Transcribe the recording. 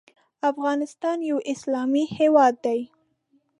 افغانستان یو اسلامی هیواد دی .